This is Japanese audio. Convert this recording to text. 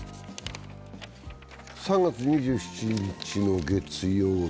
３月２７日の月曜日。